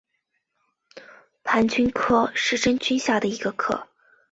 盘菌科是真菌下的一个科。